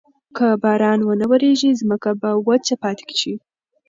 که باران ونه وریږي، ځمکه به وچه پاتې شي.